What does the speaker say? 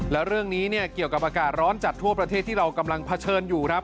แล้วเรื่องนี้เนี่ยเกี่ยวกับอากาศร้อนจัดทั่วประเทศที่เรากำลังเผชิญอยู่ครับ